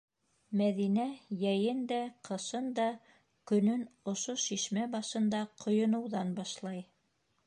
Мәҙинә йәйен дә, ҡышын да көнөн ошо шишмә башында ҡойоноуҙан башлай.